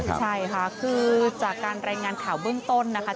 ใช่ค่ะคือจากการรายงานข่าวเบื้องต้นนะคะ